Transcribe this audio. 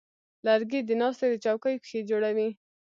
لرګی د ناستې د چوکۍ پښې جوړوي.